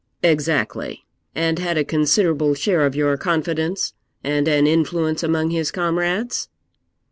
'Exactly and had a considerable share of your confidence, and an influence among his comrades?'